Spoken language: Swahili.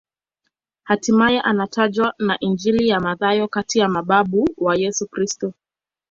Hatimaye anatajwa na Injili ya Mathayo kati ya mababu wa Yesu Kristo.